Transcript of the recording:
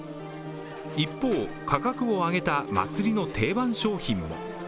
一方、価格を上げた祭りの定番商品も。